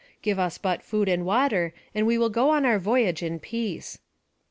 Give us but food and water, and we will go on our voyage in peace."